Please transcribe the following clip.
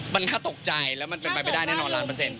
มันน่าตกใจแล้วมันเป็นไปไม่ได้แน่นอนล้านเปอร์เซ็นต